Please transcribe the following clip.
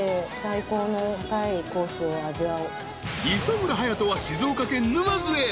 ［磯村勇斗は静岡県沼津へ］